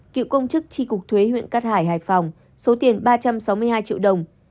cựu công chức tri cục thuế huyện cát hải hải phòng số tiền ba trăm sáu mươi hai triệu đồng